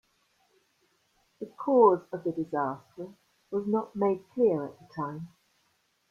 The cause of the disaster was not made clear at the time.